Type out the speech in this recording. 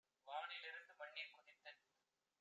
வானி லிருந்து மண்ணிற் குதித்துத்